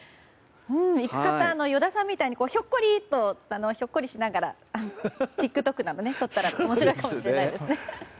行く方は、依田さんみたいにひょっこしりながらＴｉｋＴｏｋなど撮ったら面白いかもしれないですね。